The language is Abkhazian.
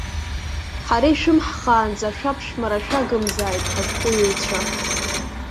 Ҳара ишәымҳхаанӡа шәаԥшәмара шәагымзааит, ҳашәҟәыҩҩцәа!